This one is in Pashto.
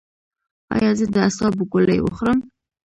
ایا زه د اعصابو ګولۍ وخورم؟